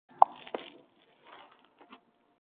The album title has a long history in Prince's songs.